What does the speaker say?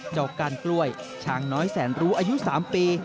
เจ้าการกล้วยช้างน้อยแสนรู้อายุ๓ปี